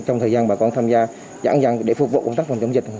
trong thời gian bà con tham gia dãn dàng để phục vụ công tác phòng chống dịch